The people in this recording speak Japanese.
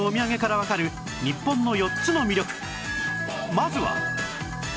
まずは